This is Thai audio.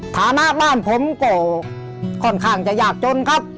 ฐานะบ้านผมก็ค่อนข้างจะยากจนครับ